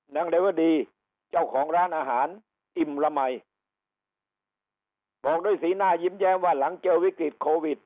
ในเรวดีเจ้าของร้านอาหารอิ่มละมัยบอกด้วยสีหน้ายิ้มแย้มว่าหลังเจอวิกฤตโควิด